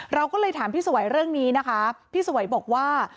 เราก็เลยถามพี่สวัยเรื่องนี้นะคะพี่สวัยบอกว่า